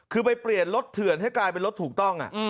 คือไปเปลี่ยนรถเถื่อนให้กลายเป็นรถถูกต้อง